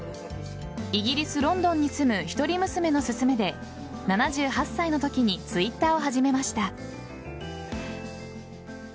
イギリス・ロンドンに住む１人娘の勧めで７８歳のときにＴｗｉｔｔｅｒを始めました。